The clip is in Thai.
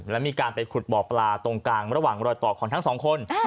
และมีการไปขุดบ่อปลาตรงกลางระหว่างรอยต่อของทั้งสองคน